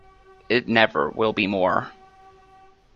It never will be more.